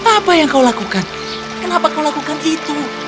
apa yang kau lakukan kenapa kau lakukan itu